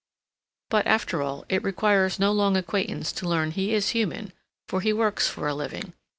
But, after all, it requires no long acquaintance to learn he is human, for he works for a living.